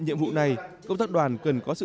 nhiệm vụ này công tác đoàn cần có sự